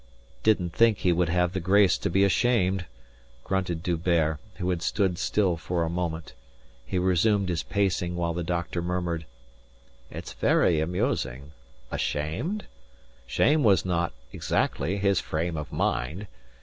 "Didn't think he would have the grace to be ashamed," grunted D'Hubert, who had stood still for a moment. He resumed his pacing while the doctor murmured. "It's very amusing. Ashamed? Shame was not exactly his frame of mind.